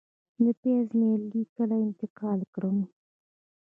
د پیاز نیالګي کله انتقال کړم؟